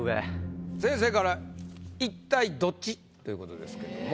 先生から「一体どっち？」ということですけども。